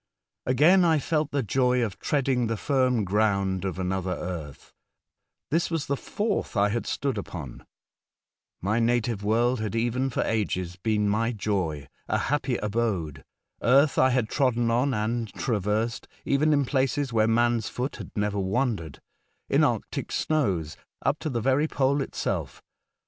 Again I felt the joy of treading the firm ground of another world. This was the fourth I had stood upon. My native world had even 102 A Voyage to Other Worlds. for ages been my joy — a bappy abode. Eartb I bad trodden on and traversed, even in places wbere man's foot bad never wandered, in Arctic snows, up to tbe very Pole itself.